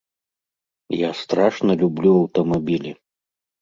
Я страшна люблю аўтамабілі.